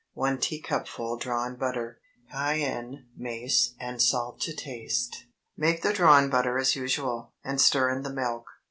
1 teacupful drawn butter. Cayenne, mace, and salt to taste. Make the drawn butter as usual, and stir in the milk.